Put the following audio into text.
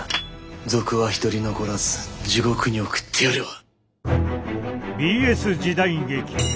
賊は一人残らず地獄に送ってやるわ。